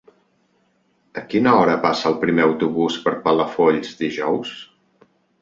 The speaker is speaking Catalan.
A quina hora passa el primer autobús per Palafolls dijous?